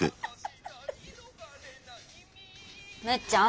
むっちゃん